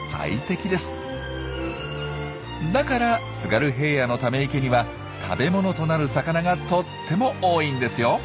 だから津軽平野のため池には食べ物となる魚がとっても多いんですよ。